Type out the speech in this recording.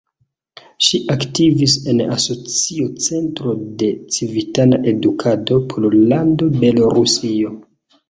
Ŝi aktivis en Asocio Centro de Civitana Edukado Pollando-Belorusio.